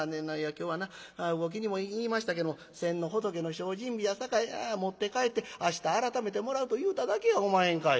今日はな魚喜にも言いましたけども先の仏の精進日やさかい持って帰って明日改めてもらうと言うただけやおまへんかいな」。